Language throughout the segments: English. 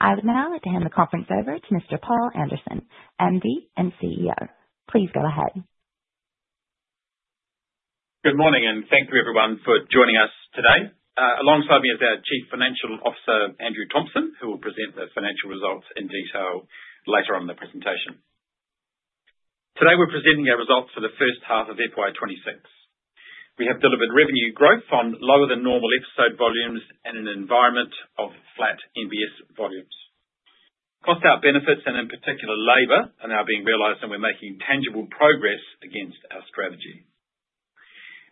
I would now like to hand the conference over to Mr. Paul Anderson, MD and CEO. Please go ahead. Good morning, and thank you, everyone, for joining us today. Alongside me is our Chief Financial Officer, Andrew Thomson, who will present the financial results in detail later on in the presentation. Today, we're presenting our results for the first half of FY 26. We have delivered revenue growth on lower than normal episode volumes and an environment of flat NBS volumes. Cost out benefits, and in particular, labor, are now being realized, and we're making tangible progress against our strategy.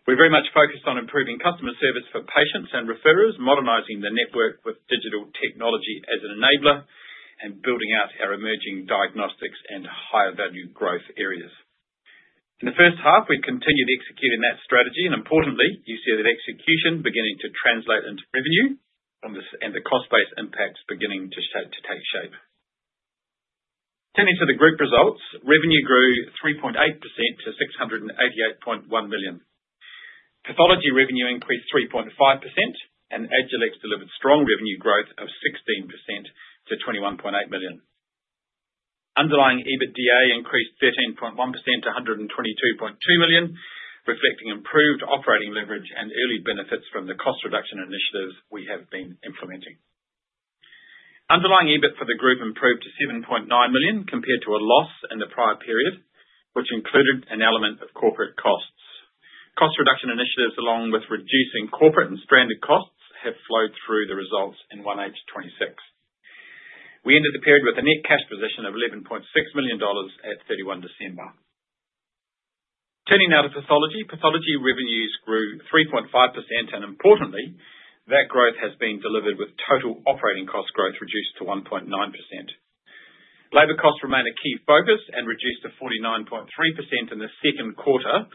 We're very much focused on improving customer service for patients and referrers, modernizing the network with digital technology as an enabler, and building out our emerging diagnostics and higher value growth areas. In the first half, we continued executing that strategy, and importantly, you see that execution beginning to translate into revenue on this, and the cost base impacts beginning to take shape. Turning to the group results, revenue grew 3.8% to 688.1 million. Pathology revenue increased 3.5%, and Agilex delivered strong revenue growth of 16% to 21.8 million. Underlying EBITDA increased 13.1% to 122.2 million, reflecting improved operating leverage and early benefits from the cost reduction initiatives we have been implementing. Underlying EBIT for the group improved to 7.9 million, compared to a loss in the prior period, which included an element of corporate costs. Cost reduction initiatives, along with reducing corporate and stranded costs, have flowed through the results in 1H'26. We ended the period with a net cash position of 11.6 million dollars at 31 December. Turning now to pathology. Pathology revenues grew 3.5%, and importantly, that growth has been delivered with total operating cost growth reduced to 1.9%. Labor costs remain a key focus and reduced to 49.3% in the second quarter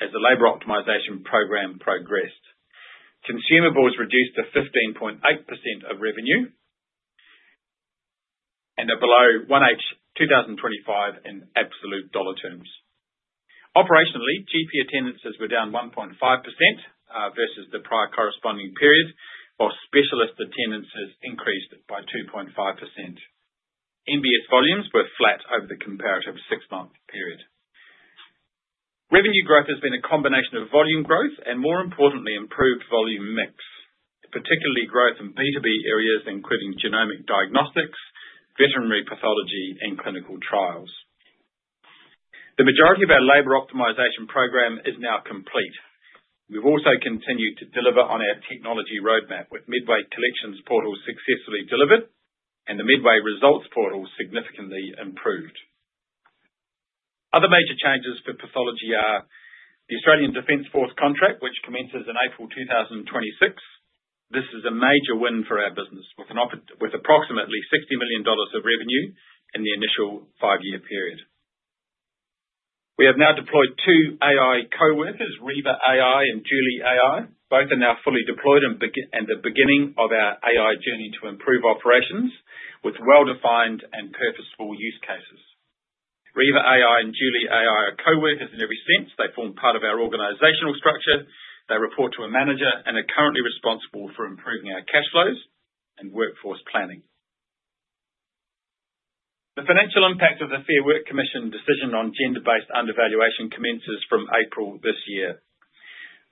as the labor optimization program progressed. Consumables reduced to 15.8% of revenue and are below 1H 2025 in absolute dollar terms. Operationally, GP attendances were down 1.5% versus the prior corresponding period, while specialist attendances increased by 2.5%. MBS volumes were flat over the comparative 6-month period. Revenue growth has been a combination of volume growth and, more importantly, improved volume mix, particularly growth in B2B areas, including genomic diagnostics, veterinary pathology, and clinical trials. The majority of our labor optimization program is now complete. We've also continued to deliver on our technology roadmap, with Midway Collections Portal successfully delivered and the Midway Results Portal significantly improved. Other major changes for pathology are the Australian Defence Force contract, which commences in April 2026. This is a major win for our business, with approximately 60 million dollars of revenue in the initial 5-year period. We have now deployed 2 AI co-workers, Riva AI and Julie AI. Both are now fully deployed and the beginning of our AI journey to improve operations with well-defined and purposeful use cases. Riva AI and Julie AI are co-workers in every sense. They form part of our organizational structure. They report to a manager and are currently responsible for improving our cash flows and workforce planning. The financial impact of the Fair Work Commission decision on gender-based undervaluation commences from April this year.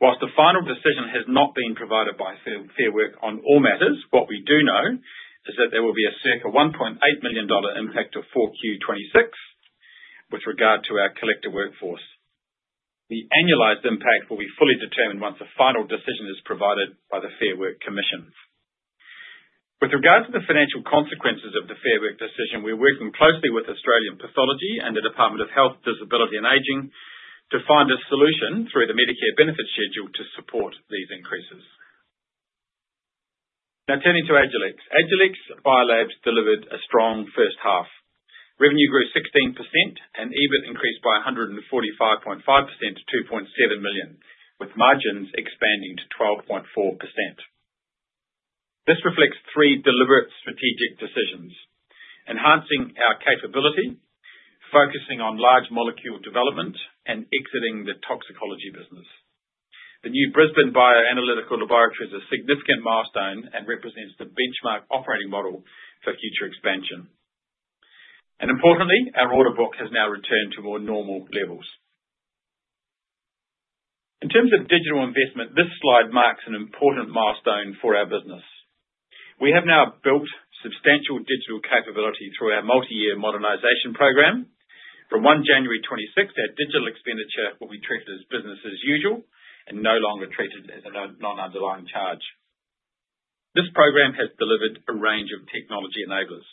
While the final decision has not been provided by Fair Work on all matters, what we do know is that there will be a circa 1.8 million dollar impact in 4Q 2026 with regard to our collective workforce. The annualized impact will be fully determined once a final decision is provided by the Fair Work Commission. With regards to the financial consequences of the Fair Work decision, we're working closely with Australian Pathology and the Department of Health, Disability and Aging to find a solution through the Medicare Benefits Schedule to support these increases. Now, turning to Agilex. Agilex Biolabs delivered a strong first half. Revenue grew 16%, and EBIT increased by 145.5% to 2.7 million, with margins expanding to 12.4%. This reflects 3 deliberate strategic decisions: enhancing our capability, focusing on large molecule development, and exiting the toxicology business. The new Brisbane Bioanalytical Laboratory is a significant milestone and represents the benchmark operating model for future expansion. Importantly, our order book has now returned to more normal levels. In terms of digital investment, this slide marks an important milestone for our business. We have now built substantial digital capability through our multi-year modernization program. From 1 January 2026, our digital expenditure will be treated as business as usual and no longer treated as a non-underlying charge. This program has delivered a range of technology enablers.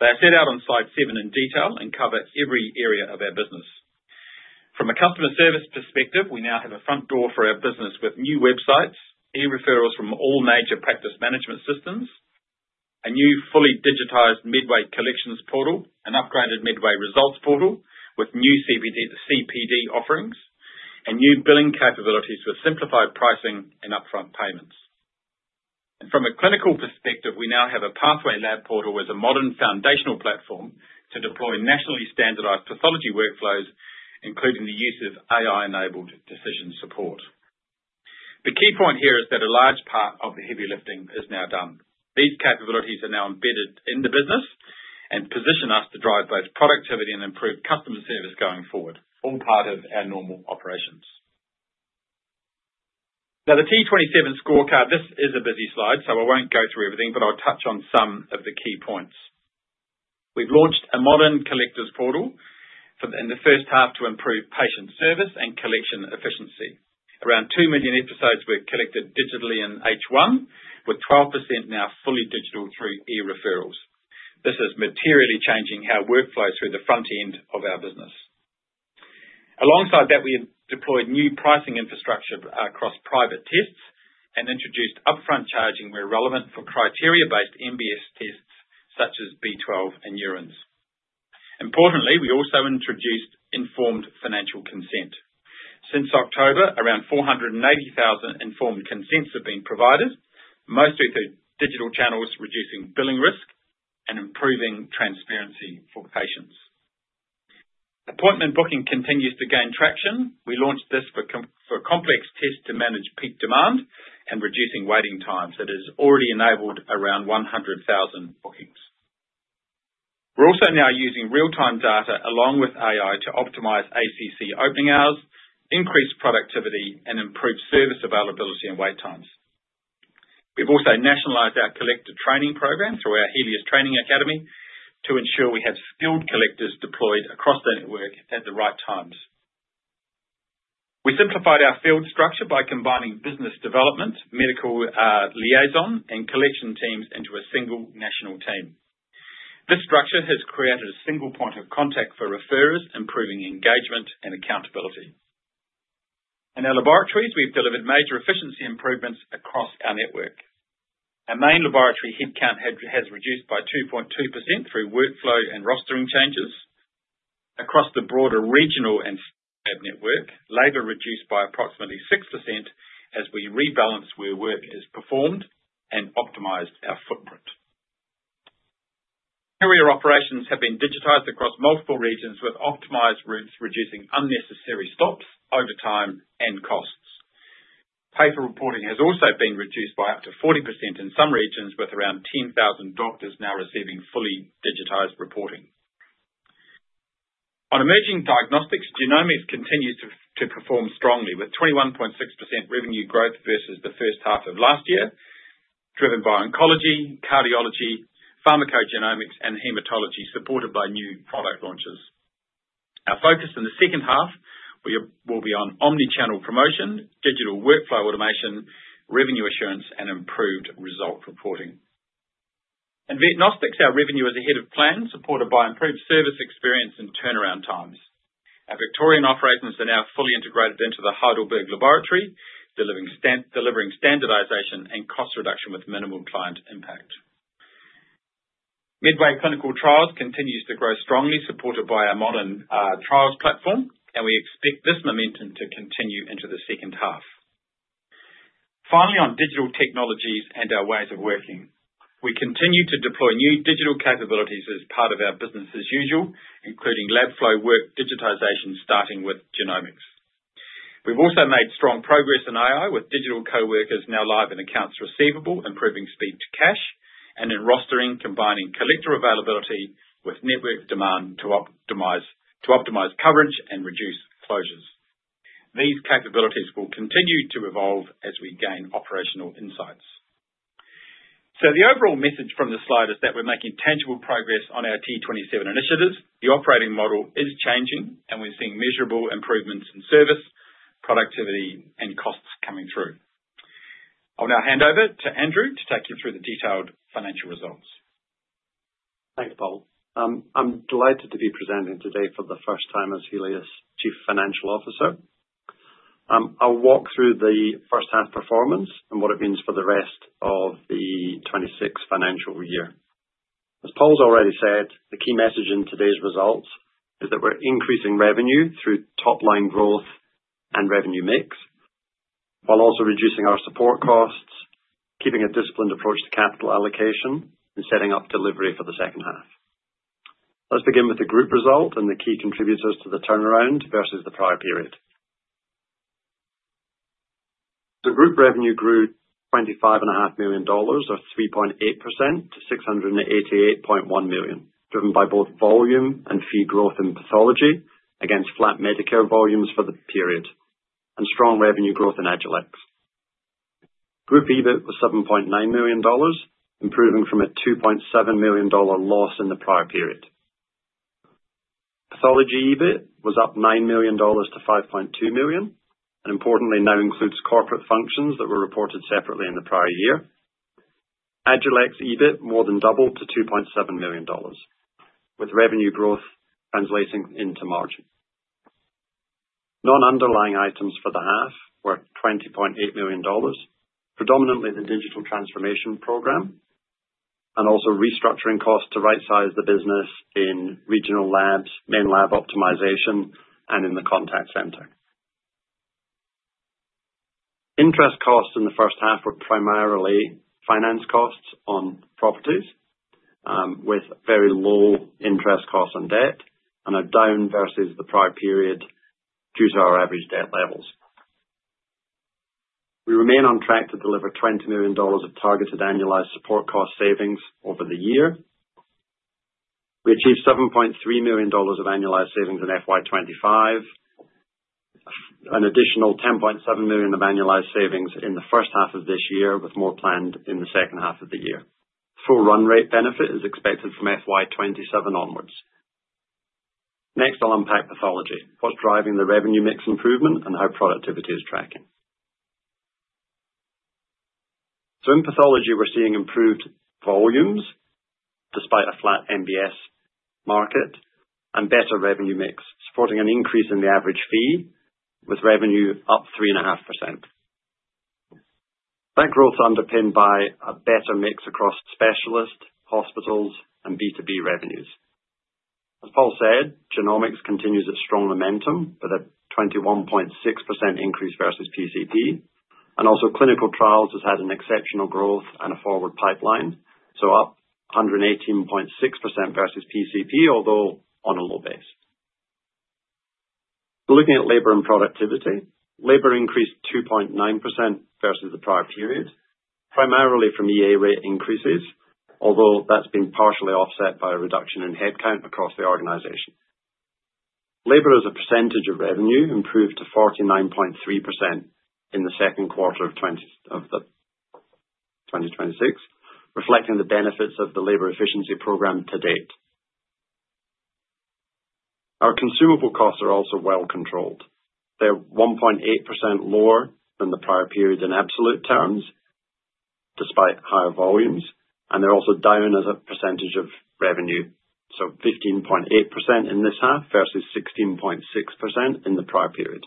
They are set out on slide 7 in detail and cover every area of our business. From a customer service perspective, we now have a front door for our business with new websites, e-referrals from all major practice management systems, a new fully digitized Midway Collections Portal, an upgraded Midway Results Portal with new CPD offerings, and new billing capabilities with simplified pricing and upfront payments. From a clinical perspective, we now have a pathway lab portal with a modern foundational platform to deploy nationally standardized pathology workflows, including the use of AI-enabled decision support. The key point here is that a large part of the heavy lifting is now done. These capabilities are now embedded in the business, and position us to drive both productivity and improve customer service going forward, all part of our normal operations. Now, the T27 scorecard, this is a busy slide, so I won't go through everything, but I'll touch on some of the key points. We've launched a modern collectors portal for, in the first half to improve patient service and collection efficiency. Around 2 million episodes were collected digitally in H1, with 12% now fully digital through e-referrals. This is materially changing our workflow through the front end of our business. Alongside that, we have deployed new pricing infrastructure across private tests, and introduced upfront charging where relevant for criteria-based MBS tests, such as B12 and urines. Importantly, we also introduced informed financial consent. Since October, around 480,000 informed consents have been provided, mostly through digital channels, reducing billing risk and improving transparency for patients. Appointment booking continues to gain traction. We launched this for complex tests to manage peak demand and reducing waiting times. It has already enabled around 100,000 bookings. We're also now using real-time data along with AI to optimize ACC opening hours, increase productivity, and improve service availability and wait times. We've also nationalized our collector training program through our Healius Training Academy to ensure we have skilled collectors deployed across the network at the right times. We simplified our field structure by combining business development, medical, liaison, and collection teams into a single national team. This structure has created a single point of contact for referrers, improving engagement and accountability. In our laboratories, we've delivered major efficiency improvements across our network. Our main laboratory headcount has reduced by 2.2% through workflow and rostering changes. Across the broader regional and network, labor reduced by approximately 6% as we rebalance where work is performed and optimized our footprint. Carrier operations have been digitized across multiple regions, with optimized routes reducing unnecessary stops, overtime, and costs. Paper reporting has also been reduced by up to 40% in some regions, with around 10,000 doctors now receiving fully digitized reporting. On emerging diagnostics, genomics continues to perform strongly, with 21.6% revenue growth versus the first half of last year, driven by oncology, cardiology, pharmacogenomics, and hematology, supported by new product launches. Our focus in the second half will be on omni-channel promotion, digital workflow automation, revenue assurance, and improved result reporting. In Vetnostics, our revenue is ahead of plan, supported by improved service experience and turnaround times. Our Victorian operations are now fully integrated into the Heidelberg laboratory, delivering standardization and cost reduction with minimal client impact. Midway, clinical trials continues to grow strongly, supported by our modern, trials platform, and we expect this momentum to continue into the second half. Finally, on digital technologies and our ways of working. We continue to deploy new digital capabilities as part of our business as usual, including lab flow work, digitization, starting with genomics. We've also made strong progress in AI, with digital coworkers now live in accounts receivable, improving speed to cash, and in rostering, combining collector availability with network demand to optimize coverage and reduce closures. These capabilities will continue to evolve as we gain operational insights. So the overall message from this slide is that we're making tangible progress on our T27 initiatives. The operating model is changing, and we're seeing measurable improvements in service, productivity, and costs coming through. I'll now hand over to Andrew to take you through the detailed financial results. Thanks, Paul. I'm delighted to be presenting today for the first time as Healius' Chief Financial Officer. I'll walk through the first half performance and what it means for the rest of the 2026 financial year. As Paul's already said, the key message in today's results is that we're increasing revenue through top-line growth and revenue mix, while also reducing our support costs, keeping a disciplined approach to capital allocation, and setting up delivery for the second half. Let's begin with the group result and the key contributors to the turnaround versus the prior period. The group revenue grew 25.5 million dollars, or 3.8% to 688.1 million, driven by both volume and fee growth in pathology, against flat Medicare volumes for the period, and strong revenue growth in Agilex. Group EBIT was 7.9 million dollars, improving from a 2.7 million dollar loss in the prior period. Pathology EBIT was up 9 million dollars to 5.2 million, and importantly, now includes corporate functions that were reported separately in the prior year. Agilex EBIT more than doubled to 2.7 million dollars, with revenue growth translating into margin. Non-underlying items for the half were 20.8 million dollars, predominantly the digital transformation program, and also restructuring costs to rightsize the business in regional labs, main lab optimization, and in the contact center. Interest costs in the first half were primarily finance costs on properties, with very low interest costs and debt, and are down versus the prior period, due to our average debt levels. We remain on track to deliver 20 million dollars of targeted annualized support cost savings over the year. We achieved 7.3 million dollars of annualized savings in FY 25. An additional 10.7 million of annualized savings in the first half of this year, with more planned in the second half of the year. Full run rate benefit is expected from FY 27 onward. Next, on Impact Pathology. What's driving the revenue mix improvement and how productivity is tracking? So in pathology, we're seeing improved volumes despite a flat MBS market and better revenue mix, supporting an increase in the average fee, with revenue up 3.5%. That growth is underpinned by a better mix across specialist, hospitals, and B2B revenues. As Paul said, genomics continues its strong momentum with a 21.6% increase versus PCP, and also clinical trials has had an exceptional growth and a forward pipeline, so up 118.6% versus PCP, although on a low base. Looking at labor and productivity, labor increased 2.9% versus the prior period, primarily from EA rate increases, although that's been partially offset by a reduction in headcount across the organization. Labor, as a percentage of revenue, improved to 49.3% in the second quarter of 2026, reflecting the benefits of the labor efficiency program to date. Our consumable costs are also well controlled. They're 1.8% lower than the prior period in absolute terms, despite higher volumes, and they're also down as a percentage of revenue. 15.8% in this half, versus 16.6% in the prior period.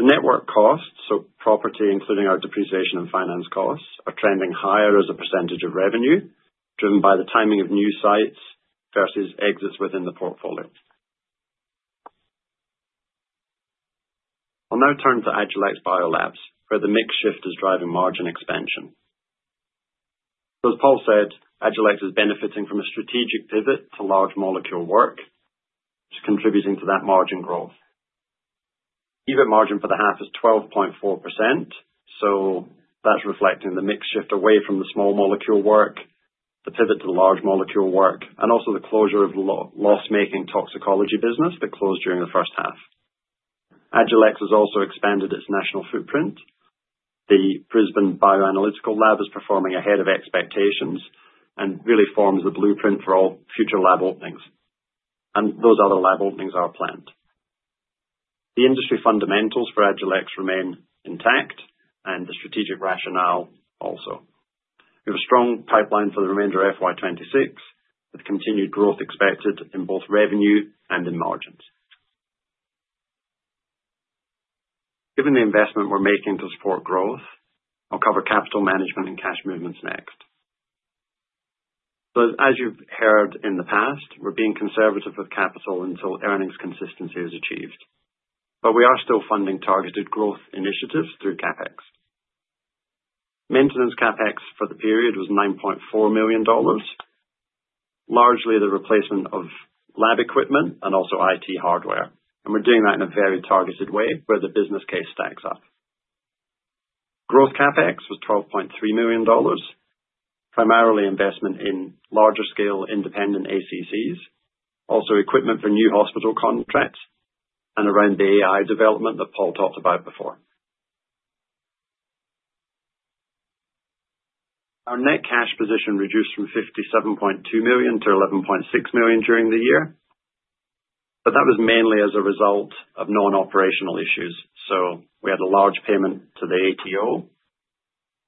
The network costs, so property, including our depreciation and finance costs, are trending higher as a percentage of revenue, driven by the timing of new sites versus exits within the portfolio. I'll now turn to Agilex Biolabs, where the mix shift is driving margin expansion. So as Paul said, Agilex is benefiting from a strategic pivot to large molecule work, which is contributing to that margin growth. EBIT margin for the half is 12.4%, so that's reflecting the mix shift away from the small molecule work, the pivot to the large molecule work, and also the closure of the loss-making toxicology business that closed during the first half. Agilex has also expanded its national footprint. The Brisbane Bioanalytical Lab is performing ahead of expectations and really forms the blueprint for all future lab openings, and those other lab openings are planned. The industry fundamentals for Agilex remain intact and the strategic rationale also. We have a strong pipeline for the remainder of FY 26, with continued growth expected in both revenue and in margins. Given the investment we're making to support growth, I'll cover capital management and cash movements next. So as you've heard in the past, we're being conservative with capital until earnings consistency is achieved, but we are still funding targeted growth initiatives through CapEx. Maintenance CapEx for the period was 9.4 million dollars, largely the replacement of lab equipment and also IT hardware. And we're doing that in a very targeted way where the business case stacks up. Growth CapEx was 12.3 million dollars, primarily investment in larger scale independent ACCs, also equipment for new hospital contracts, and around the AI development that Paul talked about before. Our net cash position reduced from 57.2 million to 11.6 million during the year, but that was mainly as a result of non-operational issues. So we had a large payment to the ATO.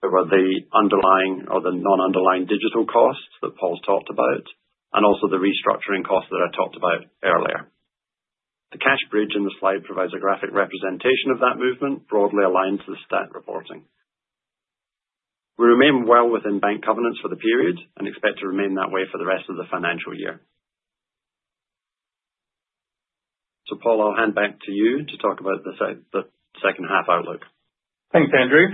There were the underlying or the non-underlying digital costs that Paul's talked about, and also the restructuring costs that I talked about earlier. The cash bridge in the slide provides a graphic representation of that movement, broadly aligned to the stat reporting. We remain well within bank covenants for the period and expect to remain that way for the rest of the financial year. So Paul, I'll hand back to you to talk about the second half outlook. Thanks, Andrew.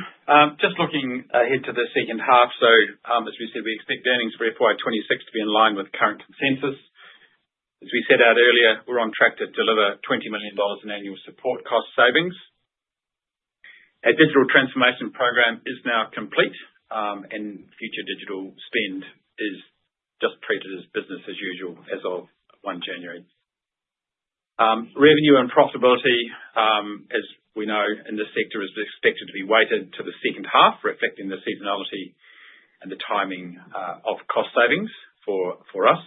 Just looking ahead to the second half. So, as we said, we expect earnings for FY 26 to be in line with current consensus. As we set out earlier, we're on track to deliver 20 million dollars in annual support cost savings. Our digital transformation program is now complete, and future digital spend is just treated as business as usual as of 1 January. Revenue and profitability, as we know in this sector, is expected to be weighted to the second half, reflecting the seasonality and the timing of cost savings for us.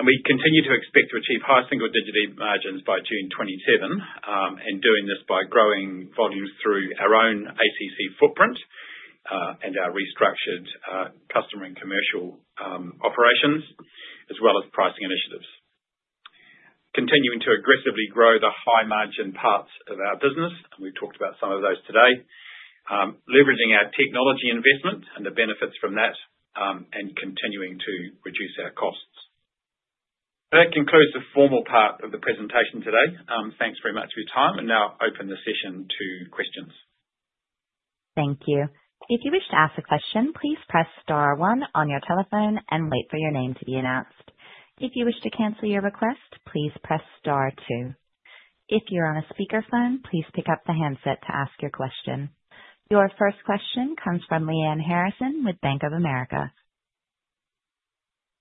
We continue to expect to achieve high single digit margins by June 2027, and doing this by growing volumes through our own ACC footprint and our restructured customer and commercial operations, as well as pricing initiatives. Continuing to aggressively grow the high margin parts of our business, and we've talked about some of those today. Leveraging our technology investment and the benefits from that, and continuing to reduce our costs. That concludes the formal part of the presentation today. Thanks very much for your time, and now I'll open the session to questions. Thank you. If you wish to ask a question, please press star one on your telephone and wait for your name to be announced. If you wish to cancel your request, please press star two. If you're on a speakerphone, please pick up the handset to ask your question. Your first question comes from Leanne Harrison with Bank of America.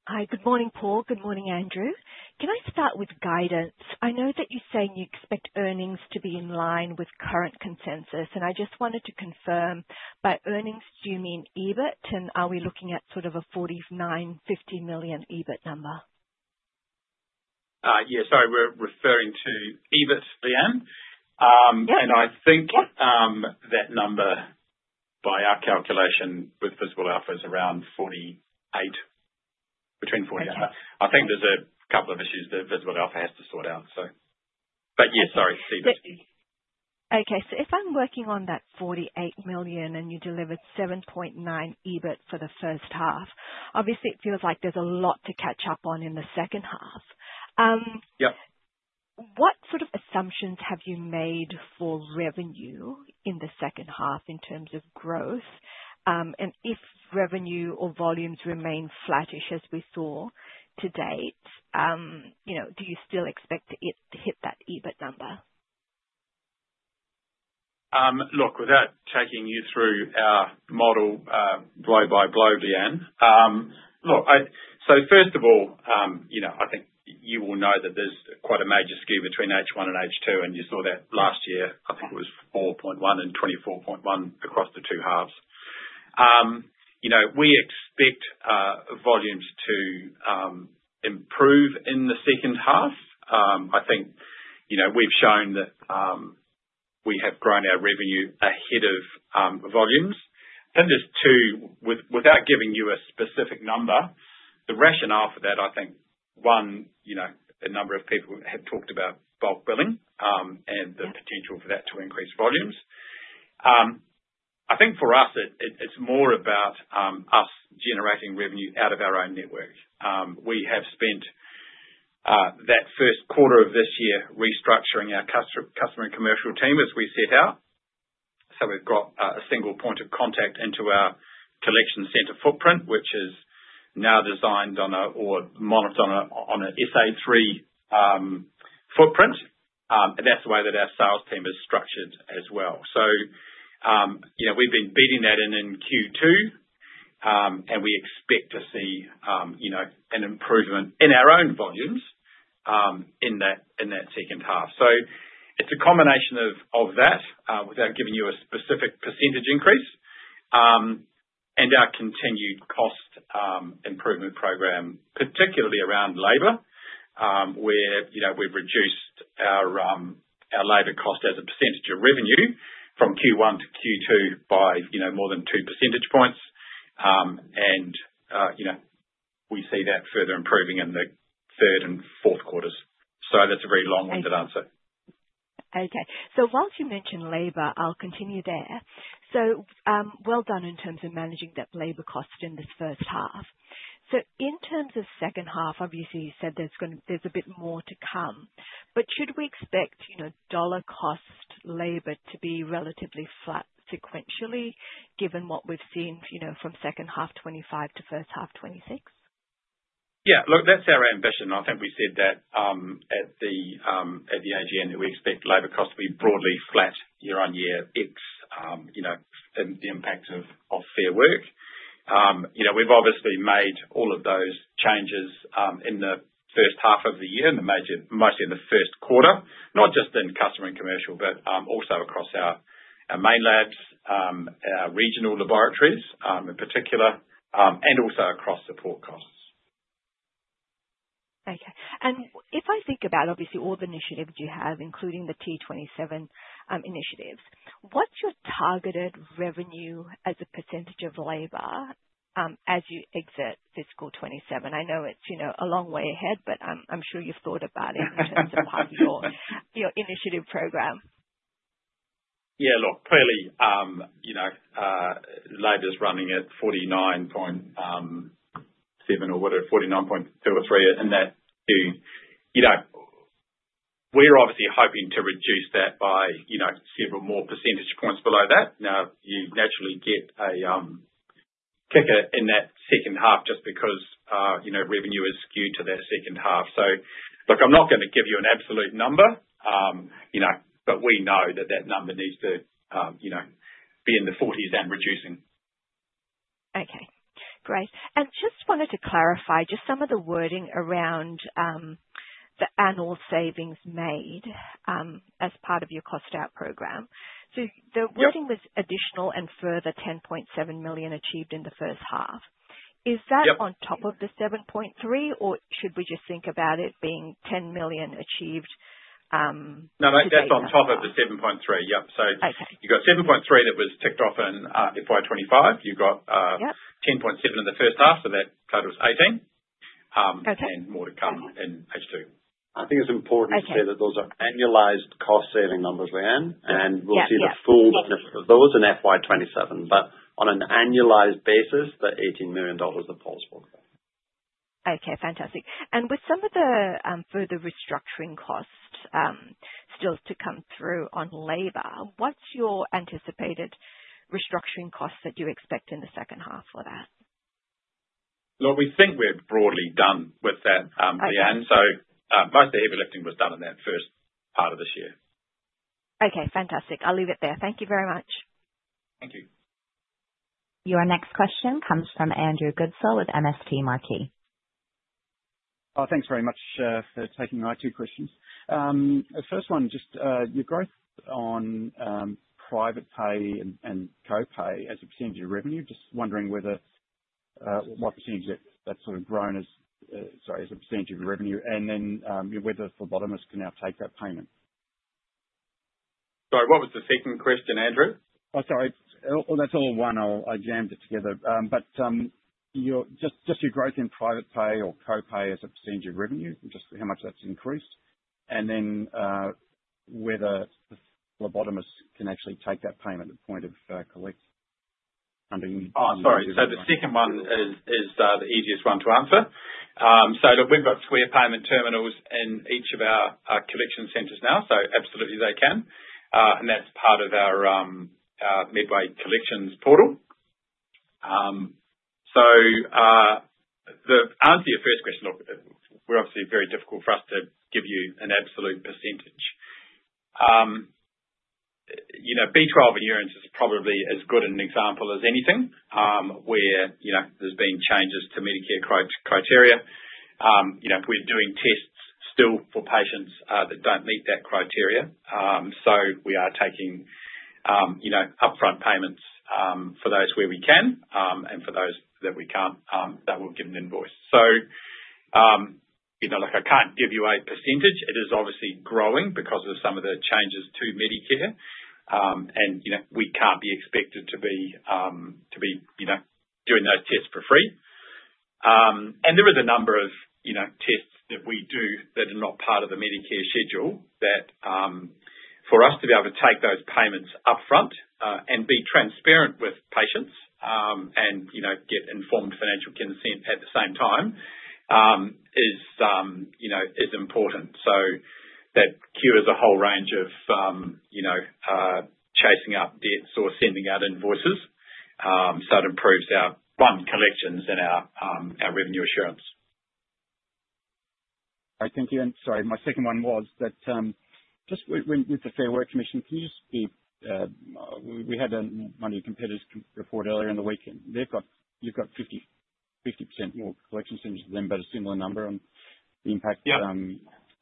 Hi, good morning, Paul. Good morning, Andrew. Can I start with guidance? I know that you're saying you expect earnings to be in line with current consensus, and I just wanted to confirm, by earnings, do you mean EBIT? And are we looking at sort of a 49 million-50 million EBIT number? Yes. Sorry, we're referring to EBIT, Leanne. Yeah. I think that number, by our calculation with Visible Alpha, is around 48, between 40 and 80. Okay. I think there's a couple of issues that Visible Alpha has to sort out, so... But, yeah, sorry, EBIT. Okay. So if I'm working on that 48 million, and you delivered 7.9 EBIT for the first half, obviously it feels like there's a lot to catch up on in the second half. Yeah. What sort of assumptions have you made for revenue in the second half in terms of growth? And if revenue or volumes remain flattish as we saw to date, you know, do you still expect it to hit that EBIT number? Look, without taking you through our model, blow by blow, Leanne, look, so first of all, you know, I think you will know that there's quite a major skew between H1 and H2, and you saw that last year. I think it was 4.1 and 24.1 across the two halves. You know, we expect volumes to improve in the second half. I think, you know, we've shown that we have grown our revenue ahead of volumes. And there's two... Without giving you a specific number, the rationale for that, I think, one, you know, a number of people have talked about bulk billing and the potential for that to increase volumes. I think for us, it's more about us generating revenue out of our own network. We have spent that first quarter of this year restructuring our customer and commercial team, as we set out. So we've got a single point of contact into our collection center footprint, which is now designed on a or monitored on an Sa3 footprint. And that's the way that our sales team is structured as well. So you know, we've been beating that in Q2, and we expect to see you know, an improvement in our own volumes in that second half. So it's a combination of that, without giving you a specific percentage increase, and our continued cost improvement program, particularly around labor, where, you know, we've reduced our labor cost as a percentage of revenue from Q1 to Q2 by, you know, more than two percentage points. And, you know, we see that further improving in the third and fourth quarters. So that's a very long-winded answer. Okay. So while you mention labor, I'll continue there. So, well done in terms of managing that labor cost in this first half. So in terms of second half, obviously, you said there's gonna—there's a bit more to come, but should we expect, you know, dollar cost labor to be relatively flat sequentially, given what we've seen, you know, from second half 2025 to first half 2026? Yeah. Look, that's our ambition. I think we said that at the AGM, that we expect labor cost to be broadly flat year-over-year. It's, you know, the impact of Fair Work. You know, we've obviously made all of those changes in the first half of the year, in the major, mostly in the first quarter, not just in customer and commercial, but also across our main labs, our regional laboratories, in particular, and also across support costs. Okay. If I think about obviously all the initiatives you have, including the T27 initiatives, what's your targeted revenue as a % of labor as you exit fiscal 2027? I know it's, you know, a long way ahead, but I'm, I'm sure you've thought about it in terms of your, your initiative program. Yeah, look, clearly, you know, labor's running at 49.7% or whatever, 49.2% or 49.3%, and that being, you know, we're obviously hoping to reduce that by, you know, several more percentage points below that. Now, you naturally get a kicker in that second half just because, you know, revenue is skewed to that second half. So, look, I'm not gonna give you an absolute number, you know, but we know that that number needs to, you know, be in the 40s and reducing. Okay, great. Just wanted to clarify just some of the wording around the annual savings made as part of your cost out program. Yep. The wording was additional and further 10.7 million achieved in the first half. Yep. Is that on top of the 7.3 million, or should we just think about it being 10 million achieved? No, that's on top of the 7.3. Yep. Okay. So you've got 7.3 that was ticked off in FY 25. You've got, Yeah... 10.7 in the first half, so that total is 18. Okay. And more to come in H2. I think it's important to say that those are annualized cost saving numbers, Leanne, and we'll see the full benefit of those in FY 27. But on an annualized basis, the 18 million dollars are possible. Okay, fantastic. And with some of the further restructuring costs still to come through on labor, what's your anticipated restructuring costs that you expect in the second half for that? Well, we think we're broadly done with that, Leanne. Okay. Most of the heavy lifting was done in that first part of this year. Okay, fantastic. I'll leave it there. Thank you very much. Thank you. Your next question comes from Andrew Goodsall with MST Marquee. Thanks very much for taking my two questions. The first one, just your growth on private pay and co-pay as a percentage of your revenue. Just wondering whether what percentage that that's sort of grown as, sorry, as a percentage of your revenue, and then whether phlebotomists can now take that payment? Sorry, what was the second question, Andrew? Oh, sorry. Well, that's all one. I jammed it together. But your, just your growth in private pay or co-pay as a percentage of revenue, just how much that's increased, and then whether the phlebotomists can actually take that payment at the point of collect, I mean- Oh, sorry. So the second one is the easiest one to answer. So look, we've got Square payment terminals in each of our collection centers now, so absolutely they can. And that's part of our Midway Collections Portal. So the answer to your first question, look, we're obviously very difficult for us to give you an absolute percentage. You know, B12 and urine is probably as good an example as anything, where, you know, there's been changes to Medicare criteria. You know, we're doing tests still for patients that don't meet that criteria. So we are taking, you know, upfront payments for those where we can, and for those that we can't, that we'll give an invoice. So, you know, look, I can't give you a percentage. It is obviously growing because of some of the changes to Medicare. You know, we can't be expected to be, you know, doing those tests for free. There is a number of, you know, tests that we do that are not part of the Medicare schedule, that for us to be able to take those payments upfront and be transparent with patients and, you know, get informed financial consent at the same time is, you know, important. So that cures a whole range of, you know, chasing up debts or sending out invoices. So it improves our fund collections and our revenue assurance. Thank you. And sorry, my second one was that, just with the Fair Work Commission, can you just give... We had one of your competitors report earlier in the week, and they've got, you've got 50% more collection centers than them, but a similar number on the impact-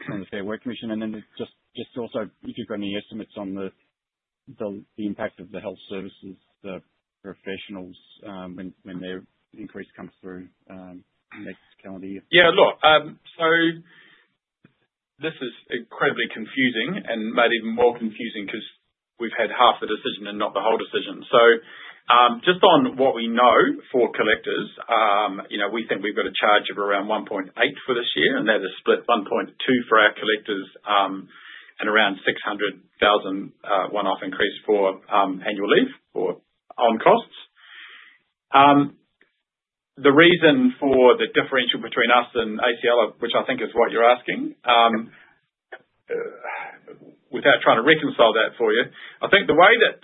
Yep. on the Fair Work Commission. And then just also, if you've got any estimates on the impact of the health services, the professionals, when their increase comes through, next calendar year. Yeah, look, so this is incredibly confusing and made even more confusing because we've had half the decision and not the whole decision. So, just on what we know for collectors, you know, we think we've got a charge of around 1.8 for this year, and that is split 1.2 for our collectors, and around 600,000 one-off increase for annual leave or on costs. The reason for the differential between us and ACL, which I think is what you're asking, without trying to reconcile that for you, I think the way that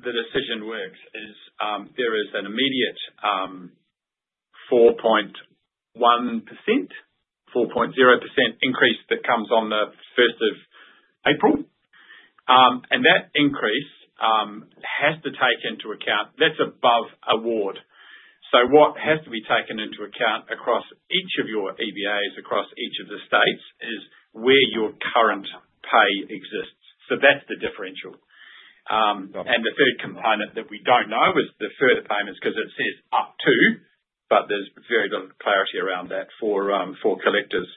the decision works is, there is an immediate 4.1%, 4.0% increase that comes on the first of April. And that increase has to take into account, that's above award. So what has to be taken into account across each of your EBAs, across each of the states, is where your current pay exists. So that's the differential. And the third component that we don't know is the further payments, because it says, "Up to," but there's very little clarity around that for collectors.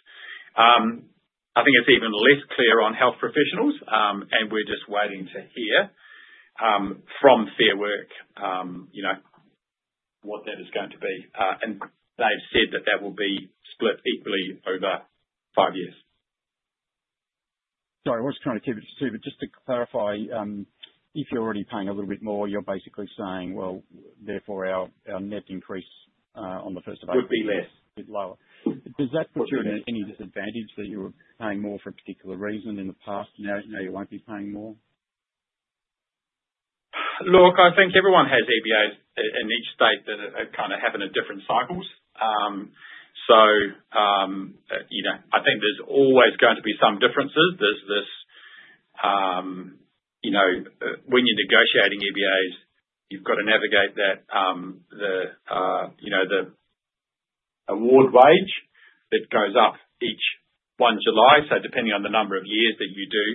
I think it's even less clear on health professionals, and we're just waiting to hear from Fair Work, you know, what that is going to be. And they've said that that will be split equally over five years. Sorry, I was trying to keep it to two, but just to clarify, if you're already paying a little bit more, you're basically saying: Well, therefore our net increase on the first of October- Would be less. Does that put you at any disadvantage that you were paying more for a particular reason in the past, and now you won't be paying more? Look, I think everyone has EBAs in each state that are kind of happening in different cycles. So, you know, I think there's always going to be some differences. There's this, you know, when you're negotiating EBAs, you've got to navigate that, the award wage that goes up each 1 July. So depending on the number of years that you do,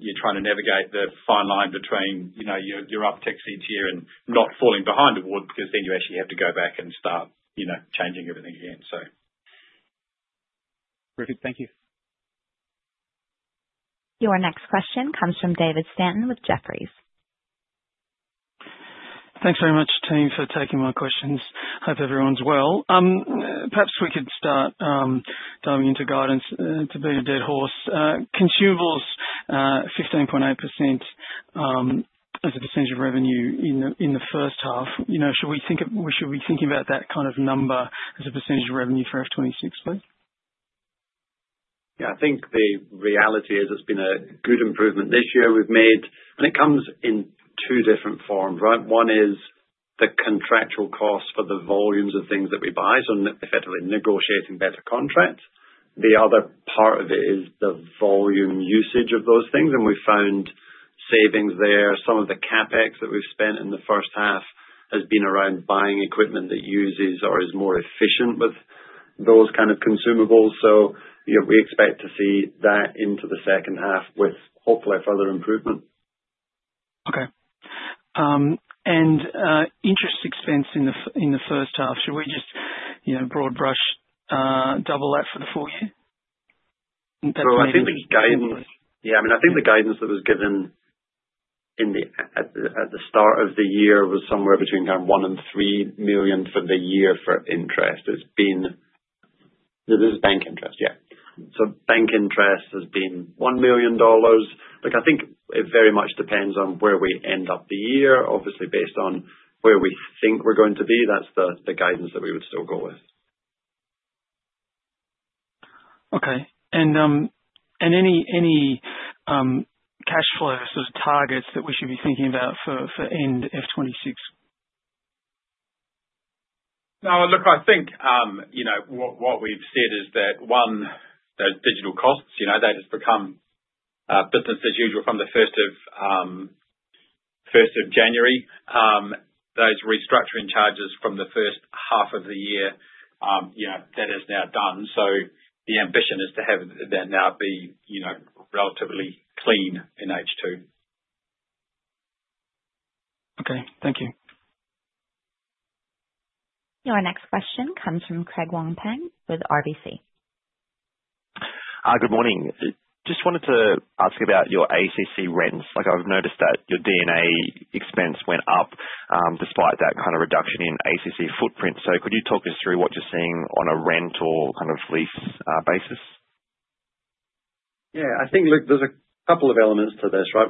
you're trying to navigate the fine line between, you know, your upticks each year and not falling behind award, because then you actually have to go back and start, you know, changing everything again, so. Brilliant. Thank you. Your next question comes from David Stanton with Jefferies.... Thanks very much, team, for taking my questions. Hope everyone's well. Perhaps we could start diving into guidance, to beat a dead horse. Consumables, 15.8% as a percentage of revenue in the first half. You know, should we think of- should we be thinking about that kind of number as a percentage of revenue for F 26, please? Yeah, I think the reality is, it's been a good improvement this year we've made, and it comes in two different forms, right? One is the contractual costs for the volumes of things that we buy, so effectively negotiating better contracts. The other part of it is the volume usage of those things, and we found savings there. Some of the CapEx that we've spent in the first half has been around buying equipment that uses or is more efficient with those kind of consumables, so you know, we expect to see that into the second half, with hopefully further improvement. Okay. Interest expense in the first half, should we just, you know, broad brush, double that for the full year? So I think the guidance... Yeah, I mean, I think the guidance that was given at the start of the year was somewhere between 1 million and 3 million for the year, for interest. It's been... This is bank interest? Yeah. So bank interest has been 1 million dollars. Look, I think it very much depends on where we end up the year. Obviously, based on where we think we're going to be, that's the guidance that we would still go with. Okay. Any cash flows or targets that we should be thinking about for end FY 26? No, look, I think, you know, what we've said is that, one, those digital costs, you know, that has become business as usual from the first of January. Those restructuring charges from the first half of the year, you know, that is now done, so the ambition is to have that now be, you know, relatively clean in H2. Okay, thank you. Your next question comes from Craig Wong Pan with RBC. Good morning. Just wanted to ask about your ACC rents. Like, I've noticed that your D&A expense went up, despite that kind of reduction in ACC footprint. So could you talk us through what you're seeing on a rent or kind of lease basis? Yeah, I think, look, there's a couple of elements to this, right,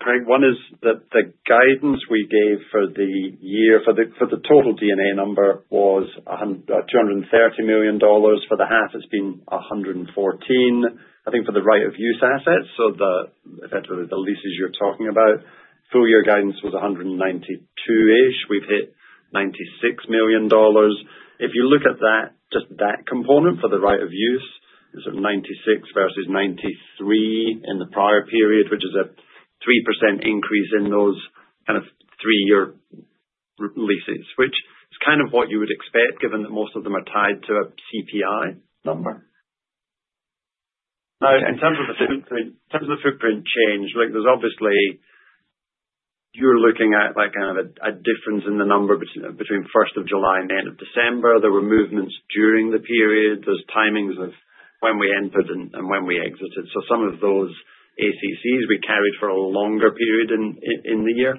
Craig? One is that the guidance we gave for the year, for the, for the total DNA number was 230 million dollars. For the half, it's been 114 million. I think for the Right of Use Assets, so the, effectively, the leases you're talking about, full year guidance was 192 million-ish. We've hit 96 million dollars. If you look at that, just that component for the right of use, it's 96 versus 93 in the prior period, which is a 3% increase in those kind of 3-year leases, which is kind of what you would expect, given that most of them are tied to a CPI number. Now, in terms of the footprint, in terms of the footprint change, like, there's obviously... You're looking at, like, kind of a difference in the number between the first of July and the end of December. There were movements during the period. There's timings of when we entered and when we exited. So some of those ACCs we carried for a longer period in the year.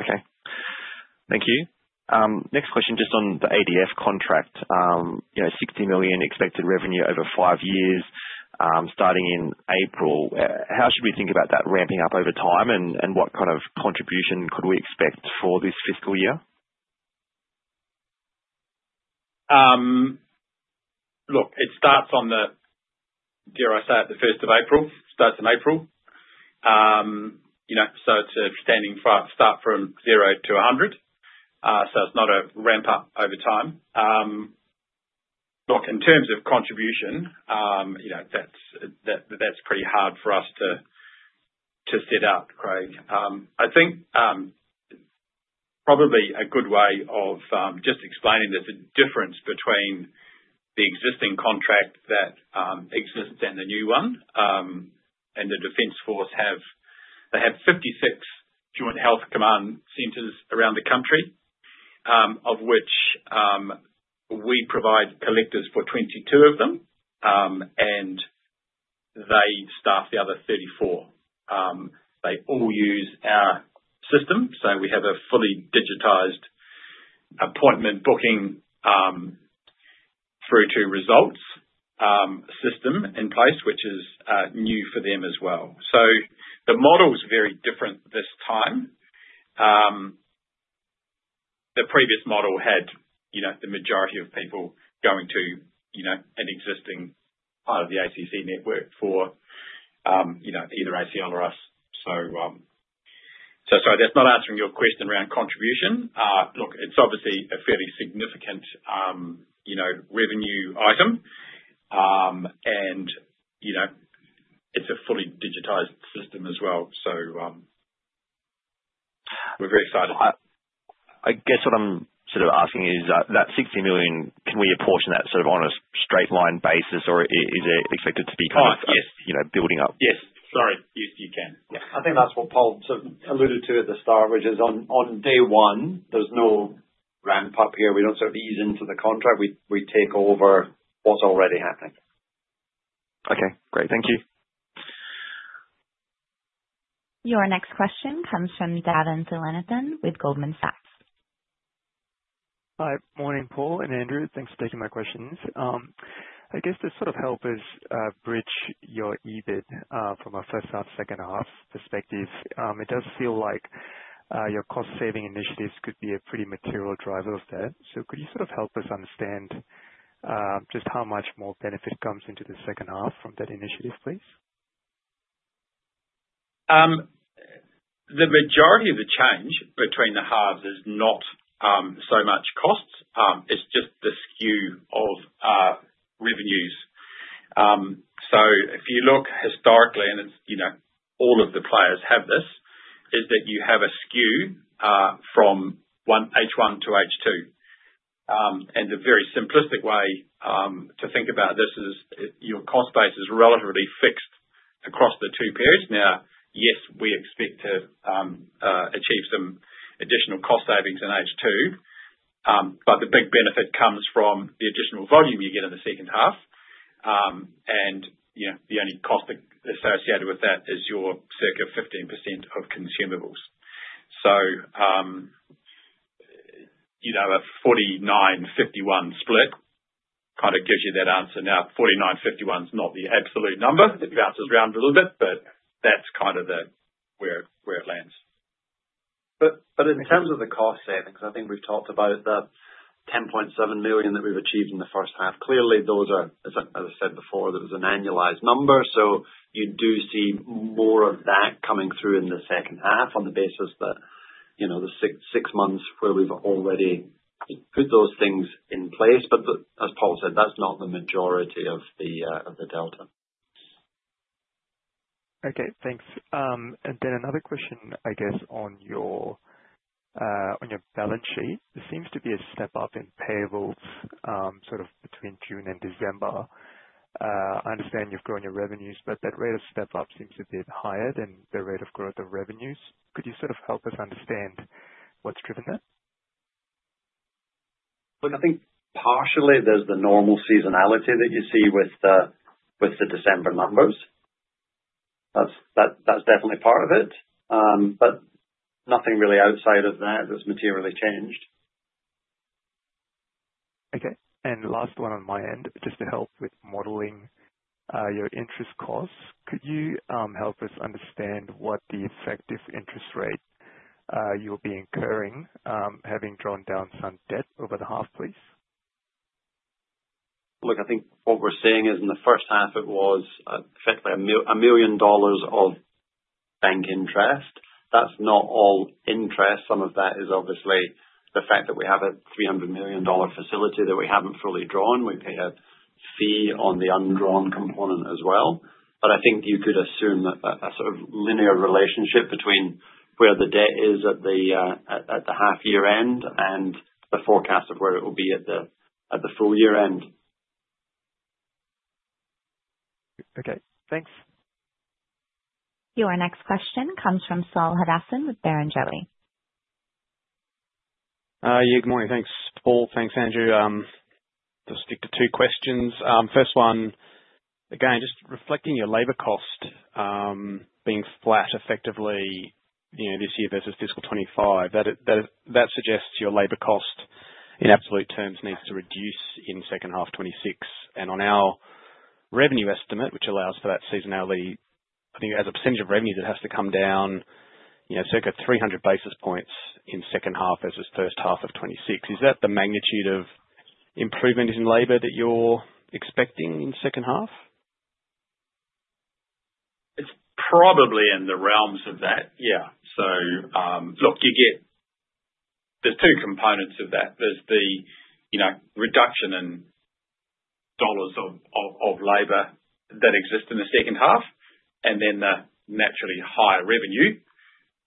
Okay. Thank you. Next question, just on the ADF contract. You know, 60 million expected revenue over five years, starting in April. How should we think about that ramping up over time, and what kind of contribution could we expect for this fiscal year? Look, it starts on the, dare I say, the first of April, starts in April. You know, so it's a standing start from zero to a hundred, so it's not a ramp up over time. Look, in terms of contribution, you know, that's pretty hard for us to set out, Craig. I think, probably a good way of just explaining there's a difference between the existing contract that exists and the new one. And the Defence Force have... They have 56 joint health command centers around the country, of which we provide collectors for 22 of them, and they staff the other 34. They all use our system, so we have a fully digitized appointment booking through to results system in place, which is new for them as well. So the model is very different this time. The previous model had, you know, the majority of people going to, you know, an existing part of the ACC network for, you know, either ACL or us. So sorry, that's not answering your question around contribution. Look, it's obviously a fairly significant, you know, revenue item, and, you know, it's a fully digitized system as well. So we're very excited. I guess what I'm sort of asking is, that 60 million, can we apportion that sort of on a straight line basis, or is it expected to be kind of- Oh, yes. you know, building up? Yes. Sorry, yes, you can. I think that's what Paul sort of alluded to at the start, which is on day one, there's no ramp-up here. We don't sort of ease into the contract. We take over what's already happening.... Okay, great. Thank you. Your next question comes from Davin Thillainathan with Goldman Sachs. Hi. Morning, Paul and Andrew. Thanks for taking my questions. I guess to sort of help us bridge your EBIT from a first half, second half perspective, it does feel like your cost saving initiatives could be a pretty material driver of that. So could you sort of help us understand just how much more benefit comes into the second half from that initiative, please? The majority of the change between the halves is not so much costs, it's just the skew of revenues. So if you look historically, and it's, you know, all of the players have this, is that you have a skew from H1 to H2. And the very simplistic way to think about this is, your cost base is relatively fixed across the two periods. Now, yes, we expect to achieve some additional cost savings in H2, but the big benefit comes from the additional volume you get in the second half. And, you know, the only cost associated with that is your circa 15% of consumables. So, you know, a 49-51 split kind of gives you that answer. Now, 49-51's not the absolute number. It bounces around a little bit, but that's kind of where it lands. But in terms of the cost savings, I think we've talked about the 10.7 million that we've achieved in the first half. Clearly, those are, as I said before, that was an annualized number, so you do see more of that coming through in the second half on the basis that, you know, the 6 months where we've already put those things in place. But as Paul said, that's not the majority of the delta. Okay, thanks. And then another question, I guess, on your balance sheet. There seems to be a step up in payable, sort of between June and December. I understand you've grown your revenues, but that rate of step up seems a bit higher than the rate of growth of revenues. Could you sort of help us understand what's driven that? Look, I think partially there's the normal seasonality that you see with the December numbers. That's definitely part of it, but nothing really outside of that has materially changed. Okay. Last one on my end, just to help with modeling, your interest costs, could you help us understand what the effective interest rate you'll be incurring, having drawn down some debt over the half, please? Look, I think what we're seeing is in the first half, it was effectively 1 million dollars of bank interest. That's not all interest. Some of that is obviously the fact that we have a 300 million dollar facility that we haven't fully drawn. We pay a fee on the undrawn component as well. But I think you could assume that a sort of linear relationship between where the debt is at the half year end, and the forecast of where it will be at the full year end. Okay, thanks. Your next question comes from Saul Hadassin with Barrenjoey. Yeah, good morning. Thanks, Paul. Thanks, Andrew. Just stick to two questions. First one, again, just reflecting your labor cost being flat effectively, you know, this year versus fiscal 2025, that is, that suggests your labor cost in absolute terms needs to reduce in second half 2026. And on our revenue estimate, which allows for that seasonality, I think as a percentage of revenue, it has to come down, you know, circa 300 basis points in second half as this first half of 2026. Is that the magnitude of improvement in labor that you're expecting in second half? It's probably in the realms of that. Yeah. So, look, you get... There's two components of that. There's the, you know, reduction in dollars of labor that exist in the second half, and then the naturally higher revenue,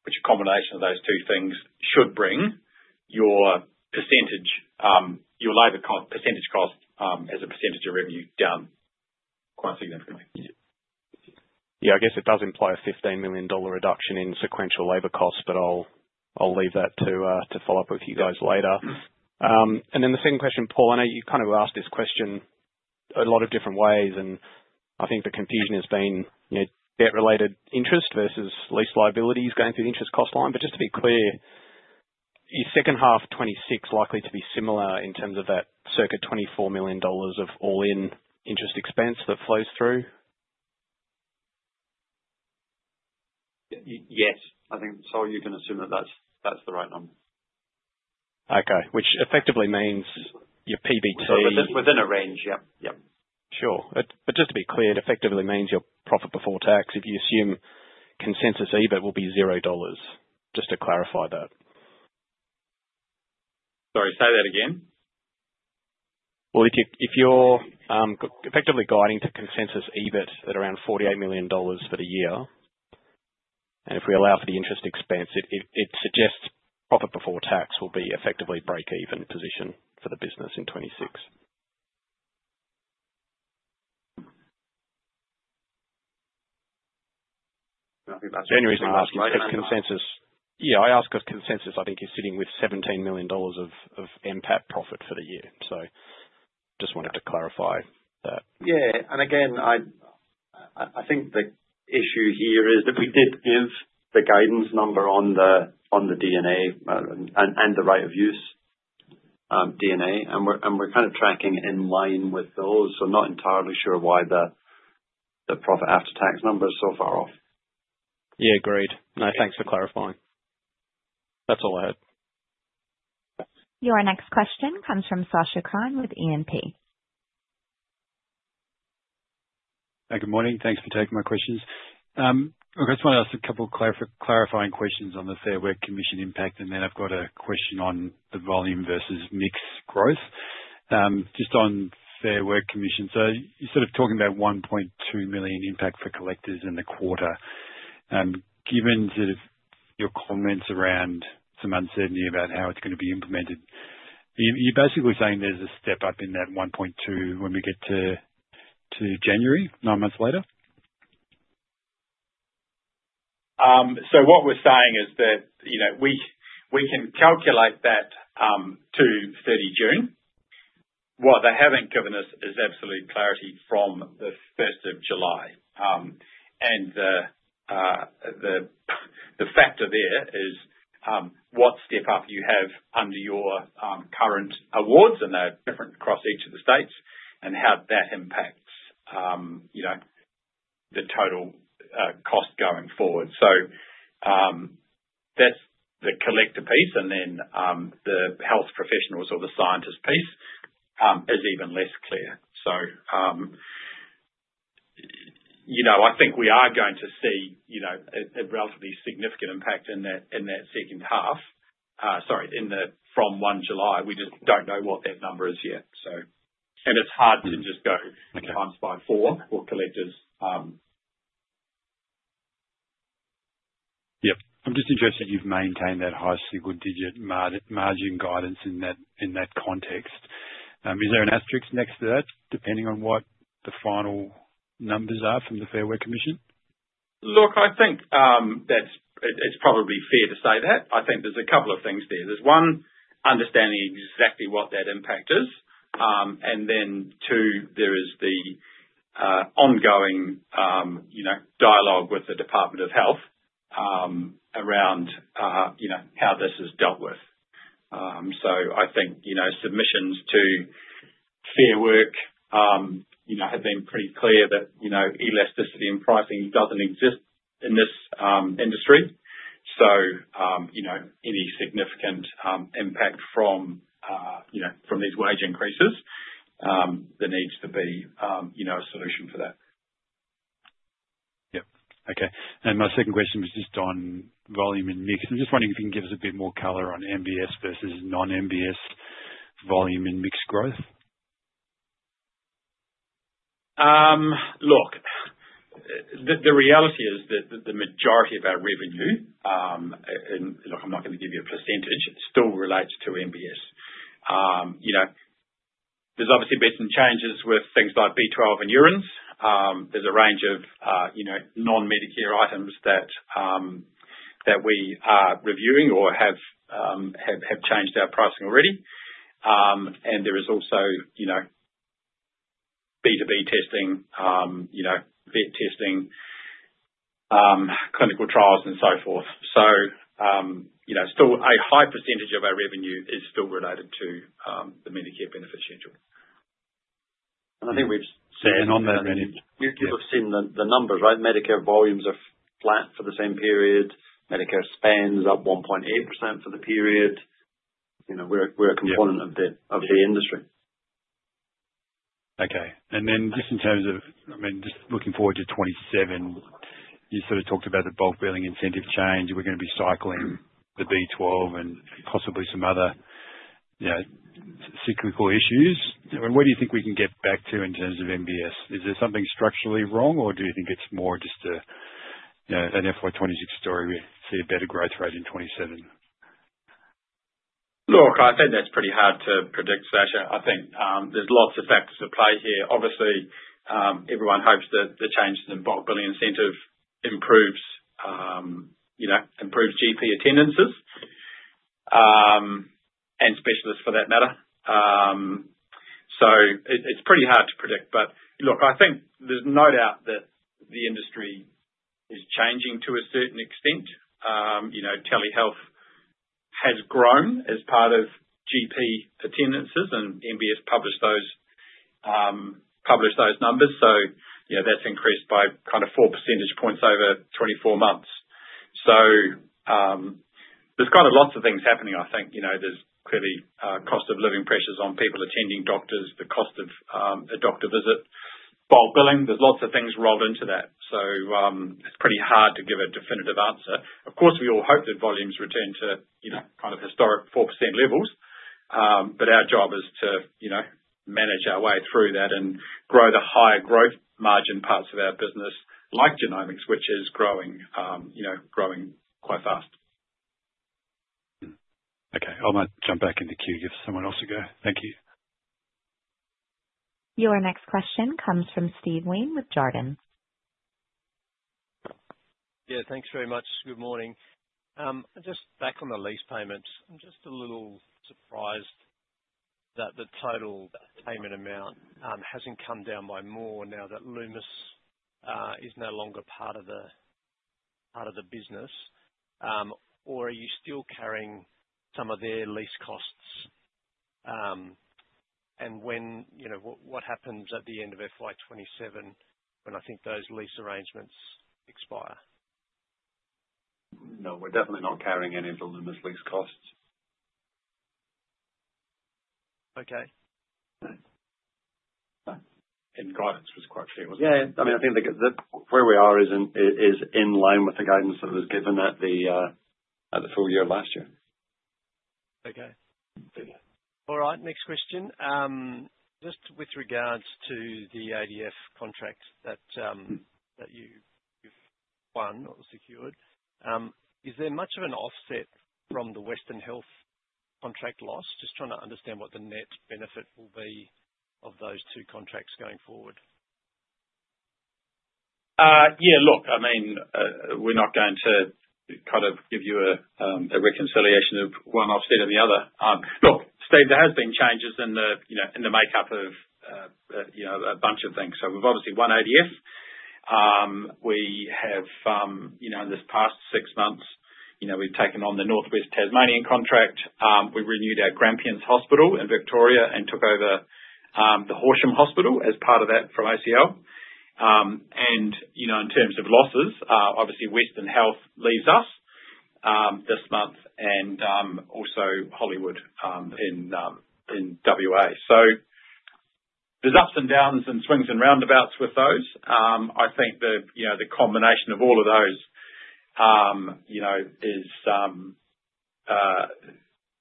which a combination of those two things should bring your percentage, your labor cost, percentage cost, as a percentage of revenue down quite significantly. Yeah, I guess it does imply a 15 million dollar reduction in sequential labor costs, but I'll leave that to follow up with you guys later. And then the second question, Paul, I know you've kind of asked this question a lot of different ways, and I think the confusion has been, you know, debt-related interest versus lease liabilities going through the interest cost line. But just to be clear, is second half 2026 likely to be similar in terms of that circa 24 million dollars of all-in interest expense that flows through? Yes, I think so. You can assume that, that's the right number. Okay. Which effectively means your PBT- Within a range. Yep. Yep. Sure. But just to be clear, it effectively means your profit before tax, if you assume consensus, EBIT will be 0 dollars. Just to clarify that. Sorry, say that again? Well, if you're effectively guiding to consensus EBIT at around 48 million dollars for the year, and if we allow for the interest expense, it suggests profit before tax will be effectively break-even position for the business in 2026. The only reason I'm asking is consensus. Yeah, I ask because consensus, I think, is sitting with 17 million dollars of NPAT profit for the year. So just wanted to clarify that. Yeah. And again, I think the issue here is that we did give the guidance number on the D&A, and the right-of-use D&A, and we're kind of tracking in line with those. So I'm not entirely sure why the profit after tax number is so far off. Yeah, agreed. No, thanks for clarifying. That's all I had. Your next question comes from Sacha Krien with E&P. Hey, good morning. Thanks for taking my questions. I just want to ask a couple clarifying questions on the Fair Work Commission impact, and then I've got a question on the volume versus mix growth. Just on Fair Work Commission, so you're sort of talking about 1.2 million impact for collectors in the quarter. Given that your comments around some uncertainty about how it's going to be implemented, you're basically saying there's a step-up in that one point two when we get to, to January, nine months later? So what we're saying is that, you know, we can calculate that to 30 June. What they haven't given us is absolute clarity from 1 July. And the factor there is what step-up you have under your current awards, and they're different across each of the states, and how that impacts, you know, the total cost going forward. So that's the collector piece, and then the health professionals or the scientist piece is even less clear. So you know, I think we are going to see, you know, a relatively significant impact in that second half, sorry, from 1 July. We just don't know what that number is yet, so... And it's hard to just go- Okay. - times by 4 for collectors. Yep. I'm just interested, you've maintained that high single digit margin guidance in that, in that context. Is there an asterisk next to that, depending on what the final numbers are from the Fair Work Commission? Look, I think that's it, it's probably fair to say that. I think there's a couple of things there. There's one, understanding exactly what that impact is. And then, two, there is the ongoing, you know, dialogue with the Department of Health, around, you know, how this is dealt with. So I think, you know, submissions to Fair Work, you know, have been pretty clear that, you know, elasticity in pricing doesn't exist in this industry. So, you know, any significant impact from, you know, from these wage increases, there needs to be, you know, a solution for that. Yep. Okay. And my second question was just on volume and mix. I'm just wondering if you can give us a bit more color on MBS versus non-MBS volume and mix growth. Look, the reality is that the majority of our revenue, and look, I'm not going to give you a percentage, it still relates to MBS. You know, there's obviously been some changes with things like B12 and urines. There's a range of, you know, non-Medicare items that we are reviewing or have changed our pricing already. And there is also, you know, B2B testing, you know, vet testing, clinical trials and so forth. So, you know, still a high percentage of our revenue is still related to the Medicare Benefit Schedule. I think we've seen- On that, you've seen the numbers, right? Medicare volumes are flat for the same period. Medicare spends up 1.8% for the period. You know, we're a component- Yep. of the industry. Okay. And then just in terms of, I mean, just looking forward to 2027, you sort of talked about the bulk billing incentive change. We're gonna be cycling the B12 and possibly some other, you know, cyclical issues. Where do you think we can get back to in terms of MBS? Is there something structurally wrong, or do you think it's more just a, you know, an FY 26 story, we see a better growth rate in 2027? Look, I think that's pretty hard to predict, Sasha. I think, there's lots of factors at play here. Obviously, everyone hopes that the changes in bulk billing incentive improves, you know, improves GP attendances, and specialists for that matter. So it, it's pretty hard to predict. But look, I think there's no doubt that the industry is changing to a certain extent. You know, telehealth has grown as part of GP attendances, and MBS published those, published those numbers. So, you know, that's increased by kind of 4 percentage points over 24 months. So, there's kind of lots of things happening. I think, you know, there's clearly, cost of living pressures on people attending doctors, the cost of, a doctor visit, bulk billing. There's lots of things rolled into that. So, it's pretty hard to give a definitive answer. Of course, we all hope that volumes return to, you know, kind of historic 4% levels. But our job is to, you know, manage our way through that and grow the higher growth margin parts of our business, like genomics, which is growing, you know, growing quite fast.... I might jump back in the queue, give someone else a go. Thank you. Your next question comes from Steve Wheen with Jarden. Yeah, thanks very much. Good morning. Just back on the lease payments. I'm just a little surprised that the total payment amount hasn't come down by more now that Lumus is no longer part of the business. Or are you still carrying some of their lease costs? And when, you know, what happens at the end of FY 2027, when I think those lease arrangements expire? No, we're definitely not carrying any of the Lumus lease costs. Okay. Guidance was quite clear, wasn't it? Yeah, I mean, I think the where we are is in line with the guidance that was given at the full year last year. Okay. Yeah. All right, next question. Just with regards to the ADF contracts that, that you, you've won or secured, is there much of an offset from the Western Health contract loss? Just trying to understand what the net benefit will be of those two contracts going forward. Yeah, look, I mean, we're not going to kind of give you a, a reconciliation of one offset or the other. Look, Steve, there has been changes in the, you know, in the makeup of, you know, a bunch of things. So we've obviously won ADF. We have, you know, in this past six months, you know, we've taken on the North West Tasmanian contract. We renewed our Grampians Hospital in Victoria and took over, the Horsham Hospital as part of that from ACL. And, you know, in terms of losses, obviously, Western Health leaves us, this month and, also Hollywood, in, in WA. So there's ups and downs and swings and roundabouts with those. I think the, you know, the combination of all of those, you know, is,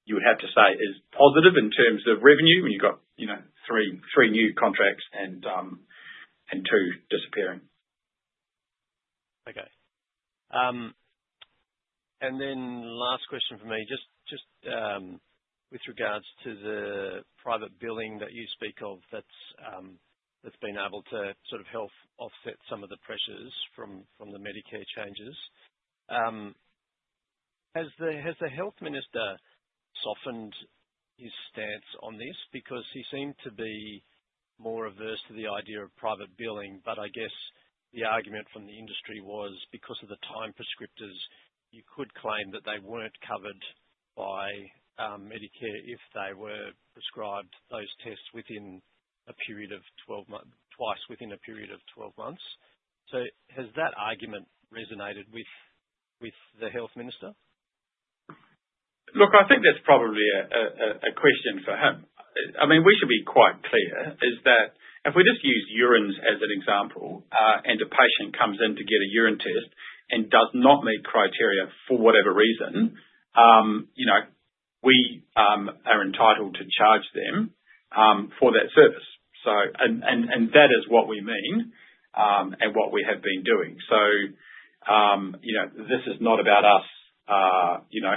you would have to say is positive in terms of revenue. When you've got, you know, 3, 3 new contracts and, and 2 disappearing. Okay. And then last question for me, just with regards to the private billing that you speak of, that's been able to sort of help offset some of the pressures from the Medicare changes. Has the Health Minister softened his stance on this? Because he seemed to be more averse to the idea of private billing, but I guess the argument from the industry was, because of the time prescribers, you could claim that they weren't covered by Medicare if they were prescribed those tests within a period of 12 months. So has that argument resonated with the Health Minister? Look, I think that's probably a question for him. I mean, we should be quite clear, is that if we just use urines as an example, and a patient comes in to get a urine test and does not meet criteria for whatever reason, you know, we are entitled to charge them for that service. So and that is what we mean, and what we have been doing. So, you know, this is not about us, you know,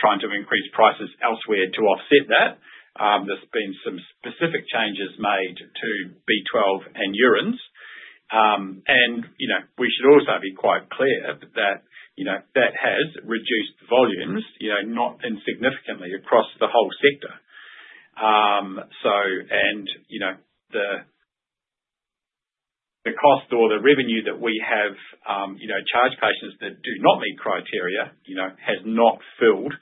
trying to increase prices elsewhere to offset that. There's been some specific changes made to B12 and urines. And, you know, we should also be quite clear that, you know, that has reduced volumes, you know, not insignificantly across the whole sector. So, you know, the cost or the revenue that we have, you know, charged patients that do not meet criteria, you know, has not filled,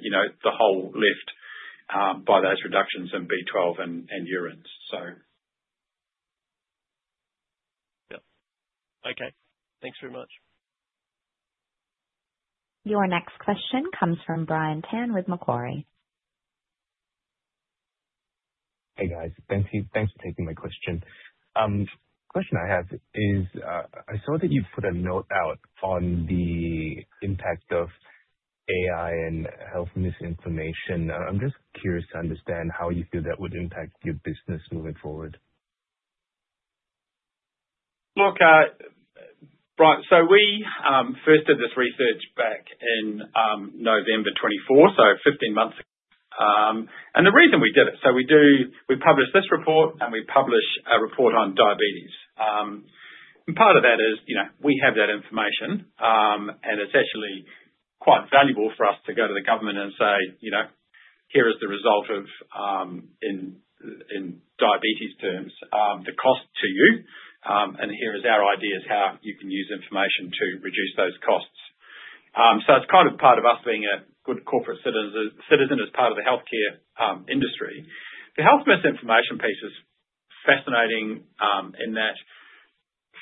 you know, the hole left by those reductions in B12 and urines, so. Yep. Okay. Thanks very much. Your next question comes from Brian Stein with Macquarie. Hey, guys. Thank you. Thanks for taking my question. The question I have is, I saw that you put a note out on the impact of AI and health misinformation. I'm just curious to understand how you feel that would impact your business moving forward. Look, Brian, so we first did this research back in November 2024, so 15 months ago. And the reason we did it, so we publish this report, and we publish a report on diabetes. And part of that is, you know, we have that information, and essentially quite valuable for us to go to the government and say, you know, "Here is the result of, in diabetes terms, the cost to you, and here is our ideas how you can use information to reduce those costs." So it's kind of part of us being a good corporate citizen as part of the healthcare industry. The health misinformation piece is fascinating, in that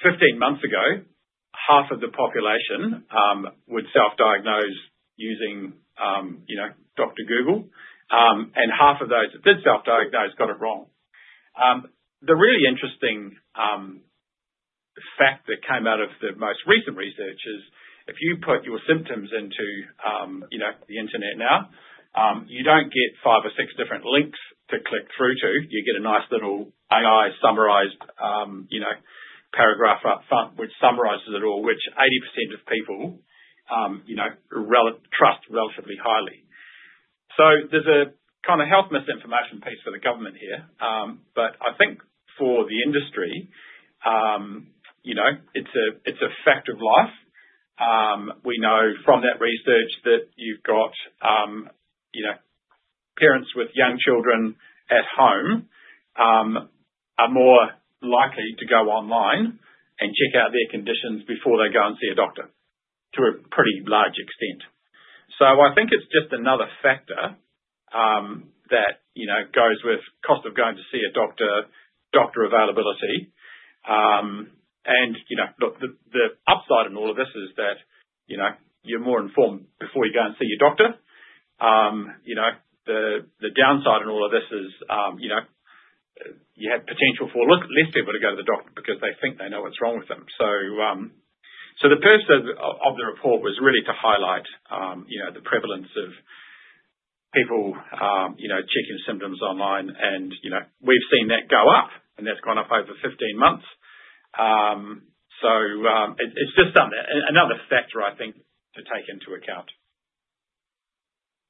15 months ago, half of the population would self-diagnose using, you know, Dr. Google, and half of those that did self-diagnose got it wrong. The really interesting fact that came out of the most recent research is, if you put your symptoms into, you know, the internet now, you don't get five or six different links to click through to. You get a nice little AI-summarized, you know, paragraph up front, which summarizes it all, which 80% of people, you know, trust relatively highly. So there's a kind of health misinformation piece for the government here. But I think for the industry, you know, it's a fact of life. We know from that research that you've got, you know, parents with young children at home, are more likely to go online and check out their conditions before they go and see a doctor, to a pretty large extent. So I think it's just another factor, that, you know, goes with cost of going to see a doctor, doctor availability. And, you know, look, the, the upside in all of this is that, you know, you're more informed before you go and see your doctor. You know, the, the downside in all of this is, you know, you have potential for less, less people to go to the doctor because they think they know what's wrong with them. So the purpose of the report was really to highlight, you know, the prevalence of people, you know, checking symptoms online, and, you know, we've seen that go up, and that's gone up over 15 months. So it's just another factor, I think, to take into account.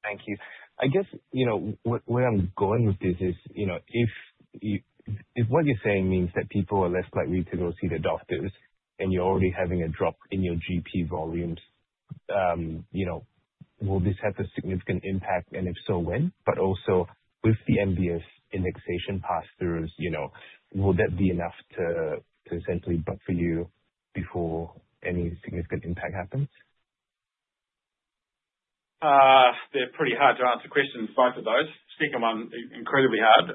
Thank you. I guess, you know, where I'm going with this is, you know, if what you're saying means that people are less likely to go see their doctors, and you're already having a drop in your GP volumes, you know, will this have a significant impact? And if so, when? But also, with the MBS indexation pass-throughs, you know, will that be enough to essentially buffer you before any significant impact happens? They're pretty hard to answer questions, both of those. Second one, incredibly hard.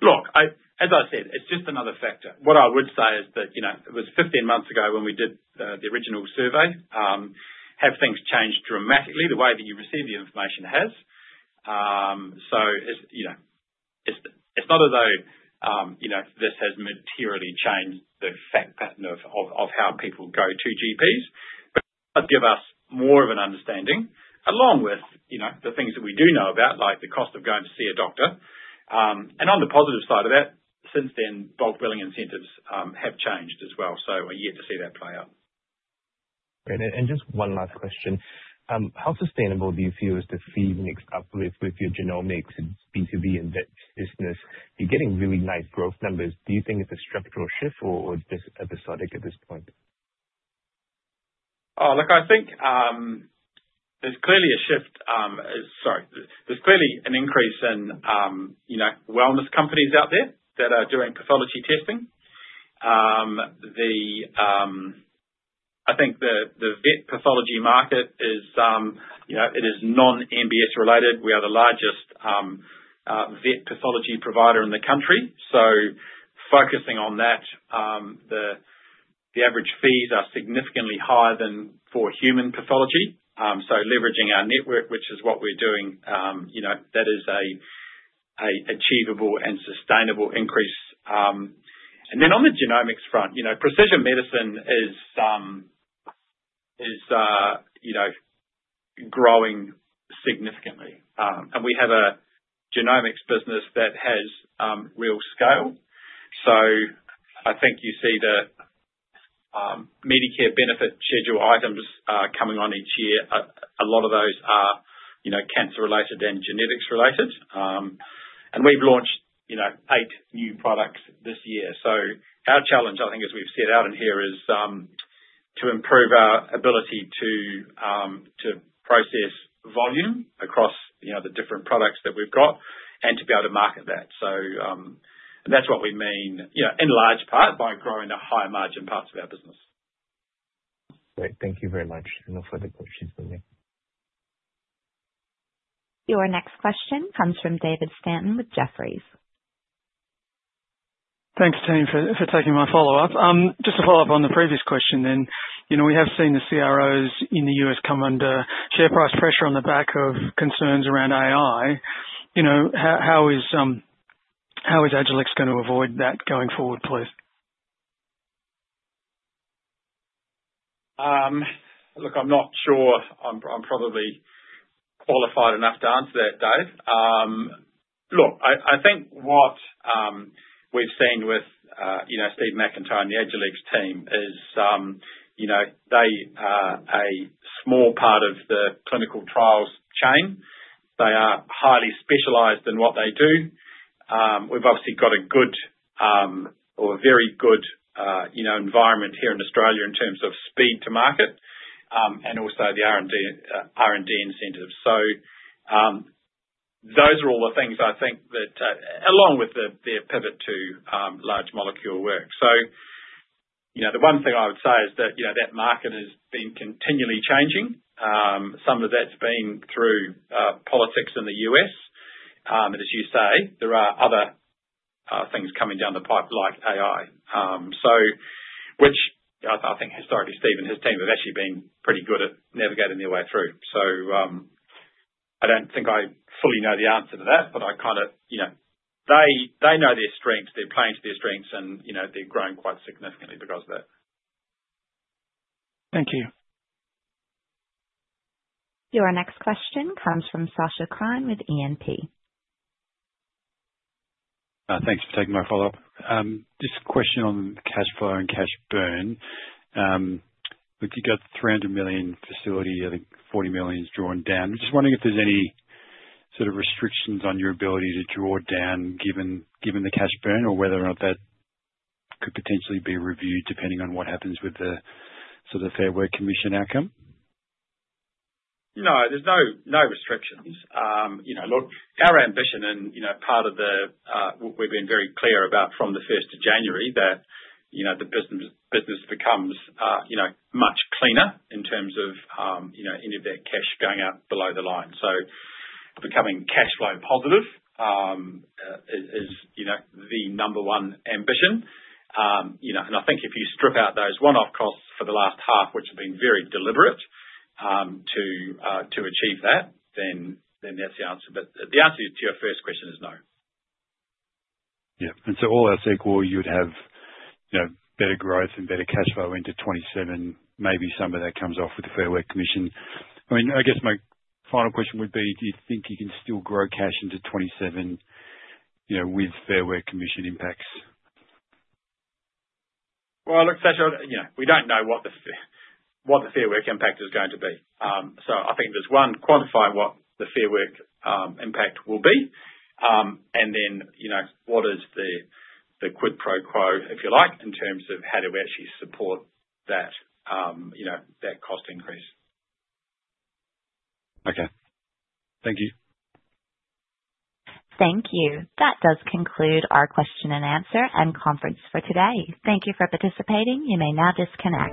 Look, as I said, it's just another factor. What I would say is that, you know, it was 15 months ago when we did the original survey. Have things changed dramatically? The way that you receive the information has. So it's, you know, it's not as though, you know, this has materially changed the fact pattern of how people go to GPs, but give us more of an understanding, along with, you know, the things that we do know about, like the cost of going to see a doctor. And on the positive side of that, since then, bulk billing incentives have changed as well, so we're yet to see that play out. Great. And, and just one last question. How sustainable do you feel is the fee mix up with, with your genomics and B2B and vet business? You're getting really nice growth numbers. Do you think it's a structural shift or, or just episodic at this point? Oh, look, I think, there's clearly a shift, sorry. There's clearly an increase in, you know, wellness companies out there that are doing pathology testing. The, I think the, the vet pathology market is, you know, it is non-MBS related. We are the largest, vet pathology provider in the country, so focusing on that, the, the average fees are significantly higher than for human pathology. So leveraging our network, which is what we're doing, you know, that is a achievable and sustainable increase. And then on the genomics front, you know, precision medicine is, is, you know, growing significantly. And we have a genomics business that has real scale. So I think you see the, Medicare Benefits Schedule items, coming on each year. A lot of those are, you know, cancer related and genetics related. And we've launched, you know, 8 new products this year. So our challenge, I think, as we've set out in here, is to improve our ability to process volume across, you know, the different products that we've got and to be able to market that. So, and that's what we mean, you know, in large part, by growing the higher margin parts of our business. Great. Thank you very much. No further questions for me. Your next question comes from David Stanton with Jefferies. Thanks, team, for taking my follow-up. Just to follow up on the previous question then, you know, we have seen the CROs in the U.S. come under share price pressure on the back of concerns around AI. You know, how is Agilex going to avoid that going forward, please? Look, I'm not sure I'm probably qualified enough to answer that, Dave. Look, I think what we've seen with you know, Steve McIntyre and the Agilex team is you know, they are a small part of the clinical trials chain. They are highly specialized in what they do. We've obviously got a good or a very good you know, environment here in Australia in terms of speed to market and also the R&D R&D incentives. So, those are all the things I think that along with the their pivot to large molecule work. So, you know, the one thing I would say is that you know, that market has been continually changing. Some of that's been through politics in the U.S. And as you say, there are other, things coming down the pipe, like AI. So which I, I think historically, Steve and his team have actually been pretty good at navigating their way through. So, I don't think I fully know the answer to that, but I kind of, you know, they, they know their strengths, they're playing to their strengths and, you know, they've grown quite significantly because of that. Thank you.... Your next question comes from Sacha Krien with E&P. Thanks for taking my follow-up. Just a question on cash flow and cash burn. Look, you got 300 million facility, I think 40 million is drawn down. I'm just wondering if there's any sort of restrictions on your ability to draw down, given the cash burn, or whether or not that could potentially be reviewed depending on what happens with the sort of Fair Work Commission outcome? No, there's no restrictions. You know, look, our ambition and, you know, part of the, we've been very clear about from the first of January that, you know, the business becomes, you know, much cleaner in terms of, you know, any of that cash going out below the line. So becoming cash flow positive is, you know, the number one ambition. You know, and I think if you strip out those one-off costs for the last half, which have been very deliberate to achieve that, then that's the answer. But the answer to your first question is no. Yeah, and so all else equal, you'd have, you know, better growth and better cash flow into 2027. Maybe some of that comes off with the Fair Work Commission. I mean, I guess my final question would be: do you think you can still grow cash into 2027, you know, with Fair Work Commission impacts? Well, look, Sacha, you know, we don't know what the Fair Work impact is going to be. So I think there's one, quantify what the Fair Work impact will be. And then, you know, what is the, the quid pro quo, if you like, in terms of how do we actually support that, you know, that cost increase. Okay. Thank you. Thank you. That does conclude our question and answer and conference for today. Thank you for participating. You may now disconnect.